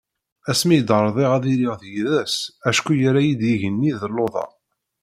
Asmi i d-rḍiɣ ad iliɣ d yid-s acku yerra-iy-d igenni d luḍa.